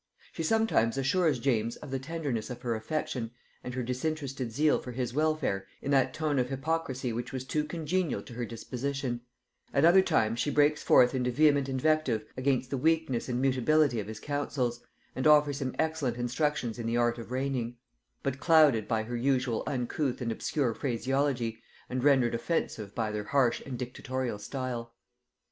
She sometimes assures James of the tenderness of her affection and her disinterested zeal for his welfare in that tone of hypocrisy which was too congenial to her disposition; at other times she breaks forth into vehement invective against the weakness and mutability of his counsels, and offers him excellent instructions in the art of reigning; but clouded by her usual uncouth and obscure phraseology and rendered offensive by their harsh and dictatorial style.